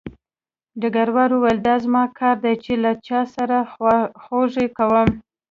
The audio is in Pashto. ډګروال وویل دا زما کار دی چې له چا سره خواخوږي کوم